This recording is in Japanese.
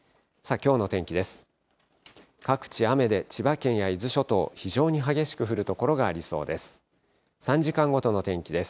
きょうの天気です。